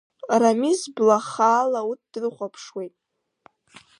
Рамиз бла хаала урҭ дрыхәаԥшуеит.